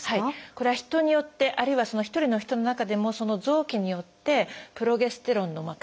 これは人によってあるいはその１人の人の中でもその臓器によってプロゲステロンの感じ方